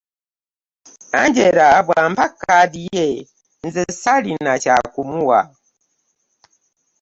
Angela bw'ampa kkaadi ye, nze saalina kya kumuwa.